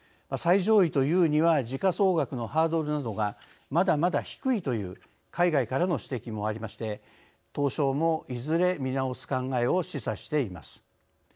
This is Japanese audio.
最上位というには時価総額のハードルなどがまだまだ低いという海外からの指摘もありまして東証もいずれ見直す考えを示唆しています。